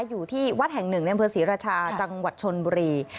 อยู่ที่วัดแห่งหนึ่งในอำเภอศรีราชาจังหวัดชนบุรี